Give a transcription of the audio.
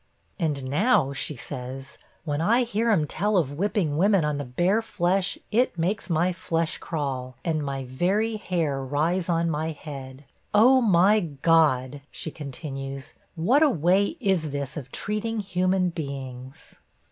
'And now,' she says, 'when I hear 'em tell of whipping women on the bare flesh, it makes my flesh crawl, and my very hair rise on my head! Oh! my God!' she continues, 'what a way is this of treating human beings?'